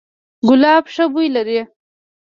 ګلاب ښه بوی لري